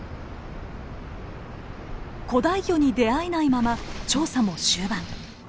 古代魚に出会えないまま調査も終盤。